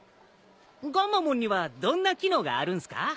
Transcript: ガンマモンにはどんな機能があるんすか？